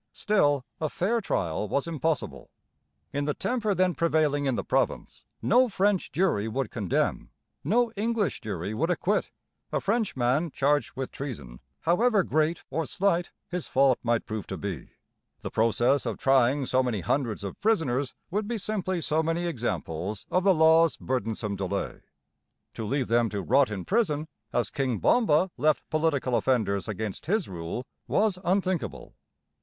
Still, a fair trial was impossible. In the temper then prevailing in the province no French jury would condemn, no English jury would acquit, a Frenchman charged with treason, however great or slight his fault might prove to be. The process of trying so many hundreds of prisoners would be simply so many examples of the law's burdensome delay. To leave them to rot in prison, as King Bomba left political offenders against his rule, was unthinkable.